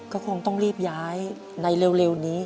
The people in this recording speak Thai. ก็คงต้องรีบย้ายในเร็วนี้